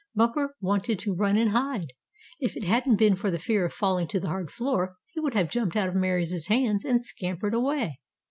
Bumper wanted to run and hide. If it hadn't been for the fear of falling to the hard floor, he would have jumped out of Mary's hands and scampered away.